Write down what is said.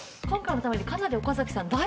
今回のためにかなり岡崎さん